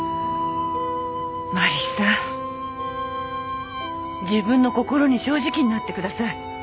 自分の心に正直になってください。